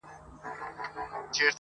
بې سپرلیه بې بارانه ګلان شنه کړي,